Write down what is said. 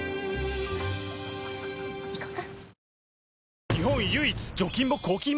行こっか。